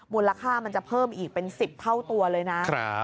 มูลค่ามันจะเพิ่มอีกเป็น๑๐เท่าตัวเลยนะ